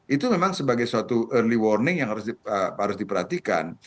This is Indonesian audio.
itu memang sebagai suatu early warning yang harus diperhatikan